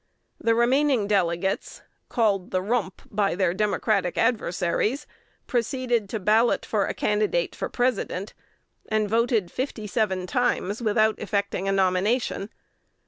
The remaining delegates, called "the rump" by their Democratic adversaries, proceeded to ballot for a candidate for President, and voted fifty seven times without effecting a nomination.